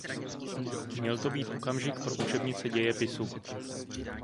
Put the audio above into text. Měl to být okamžik pro učebnice dějepisu.